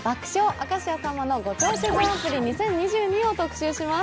明石家さんまのご長寿グランプリ２０２２」を特集します